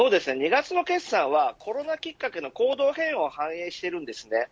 ２月の決算はコロナきっかけの行動変容を反映しています。